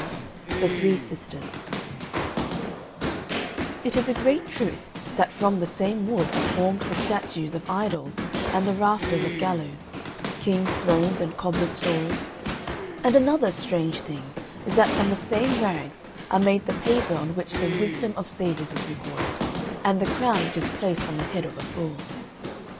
XI THE THREE SISTERS It is a great truth that from the same wood are formed the statues of idols and the rafters of gallows, kings' thrones and cobblers' stalls; and another strange thing is that from the same rags are made the paper on which the wisdom of sages is recorded, and the crown which is placed on the head of a fool.